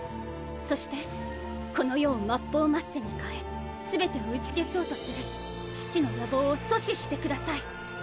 そしてこの世を末法末世に変え全てを打ち消そうとする父の野望を阻止してください。